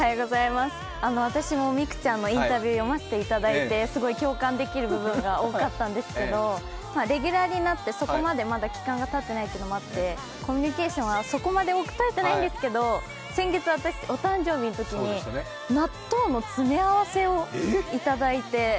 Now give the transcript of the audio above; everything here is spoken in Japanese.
私も美空ちゃんのインタビュー読ませていただいてすごい共感できる部分が多かったんですけれども、レギュラーになって、そこまでまだ期間がたってないこともあってコミニュケーションはそこまでとれてないんですけど、先月私お誕生日のときに、納豆の詰め合わせをいただいて。